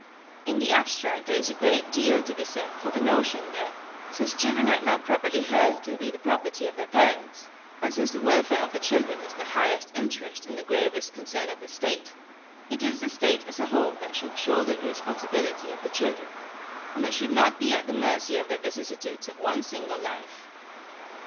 In the abstract there is a great deal to be said for the notion that, since children are not properly held to be the property of their parents, and since the welfare of the children is the highest interest and the gravest concern of the State, it is the State as a whole that should shoulder the responsibility of the children, and they should not be at the mercy of the vicissitudes of one single life.